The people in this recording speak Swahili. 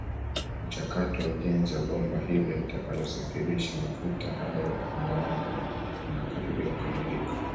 Mchakato wa ujenzi wa bomba hilo litakalosafirisha mafuta hayo umeanza na unakaribia kukamilika